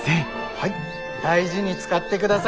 はい！